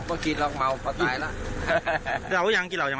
โอเคไม่เป็นไรบ้าง